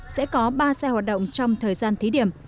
sẽ có ba xe hoạt động trong thời gian thí điểm